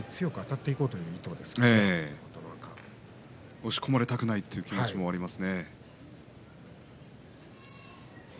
押し込まれたくないという気持ちがあると思います。